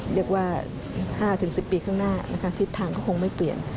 เรียกว่า๕๑๐ปีข้างหน้านะคะทิศทางก็คงไม่เปลี่ยน